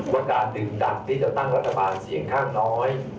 ว่าการดึงดันที่จะตั้งรัฐบาลเสียงข้างน้อย